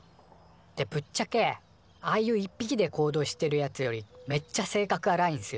でぶっちゃけああいう１ぴきで行動してるやつよりめっちゃ性格あらいんすよ